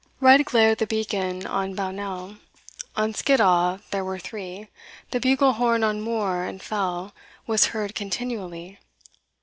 Red glared the beacon on Pownell On Skiddaw there were three; The bugle horn on moor and fell Was heard continually.